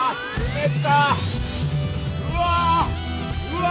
うわ！